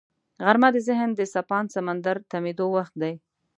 غرمه د ذهن د څپاند سمندر تمېدو وخت دی